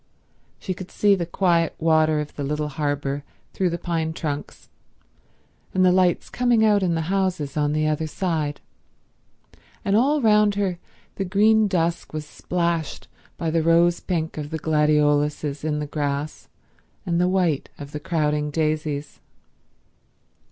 She could see the quiet water of the little harbour through the pine trunks, and the lights coming out in the houses on the other side, and all round her the green dusk was splashed by the rose pink of the gladioluses in the grass and the white of the crowding daisies.